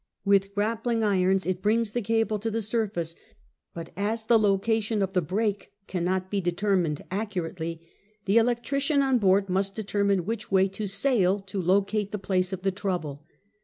With grappling irons it brings the cable to the surface; but as the location of the break cannot be determined accurately, the electrician on board must determine which way to sail to locate the place of the trouble.